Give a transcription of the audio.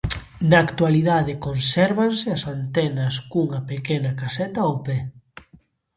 Na actualidade consérvanse as antenas cunha pequena caseta ao pé.